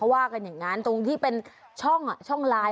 เออก็อย่างนี้แหละ